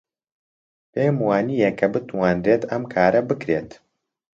پێم وانییە کە بتوانرێت ئەم کارە بکرێت.